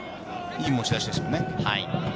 いい持ち出しでしたよね。